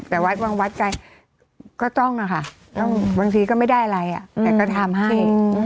แต่วัดบางวัดใจก็ต้องอะค่ะบางทีก็ไม่ได้อะไรแต่ก็ทำให้